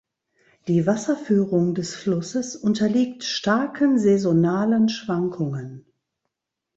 Die Wasserführung des Flusses unterliegt starken saisonalen Schwankungen.